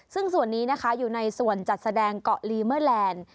ซึ่งส่วนนี้นะคะอยู่ในส่วนจัดแสดงเกาะลีเมอร์แลนด์